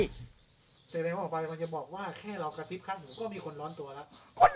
แสดงว่าออกไปเราจะบอกว่าแค่เรากระซิบข้างหูก็มีคนร้อนตัวแล้ว